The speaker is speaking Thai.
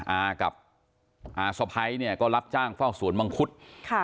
อากับอาสะพ้ายเนี่ยก็รับจ้างเฝ้าสวนมังคุดค่ะ